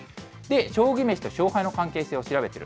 将棋飯と勝敗の関係性を調べている。